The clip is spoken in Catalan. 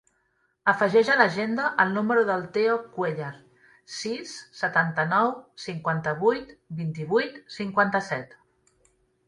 Afegeix a l'agenda el número del Theo Cuellar: sis, setanta-nou, cinquanta-vuit, vint-i-vuit, cinquanta-set.